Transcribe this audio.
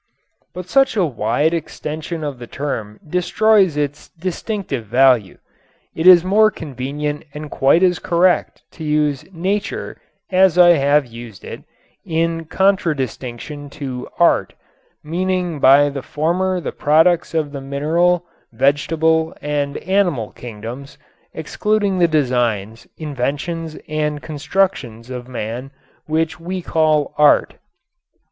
But such a wide extension of the term destroys its distinctive value. It is more convenient and quite as correct to use "nature" as I have used it, in contradistinction to "art," meaning by the former the products of the mineral, vegetable and animal kingdoms, excluding the designs, inventions and constructions of man which we call "art."